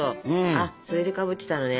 あっそれでかぶってたのね。